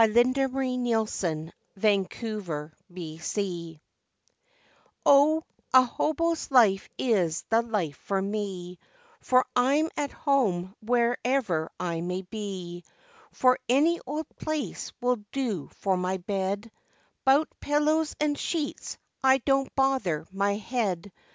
LIFE WAVES 65 THE HOBO O, a hobo's life is the life for me, For I'm at home wherever I may be, 'Most any old place will do for my bed, 'Bout pillows and sheets I don't bother my head.